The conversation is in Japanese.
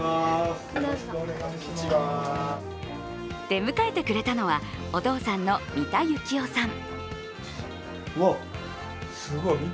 出迎えてくれたのはお父さんの三田幸雄さん。